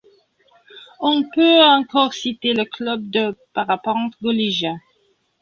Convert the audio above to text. On peut encore citer le club de parapente Golija.